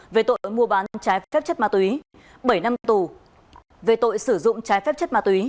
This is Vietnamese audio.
về tội mua bán trái phép chất ma túy bảy năm tù về tội sử dụng trái phép chất ma túy